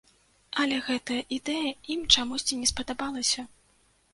Але гэтая ідэя ім чамусьці не спадабалася.